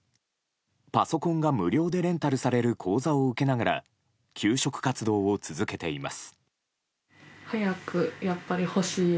パソコンが無料でレンタルされる講座を受けながら求職活動を続けています。